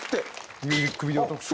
ミュージックビデオ特集。